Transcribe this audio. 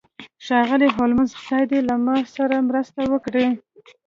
ښاغلی هولمز خدای دې له ما سره مرسته وکړي